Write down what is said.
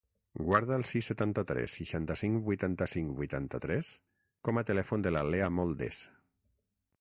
Guarda el sis, setanta-tres, seixanta-cinc, vuitanta-cinc, vuitanta-tres com a telèfon de la Lea Moldes.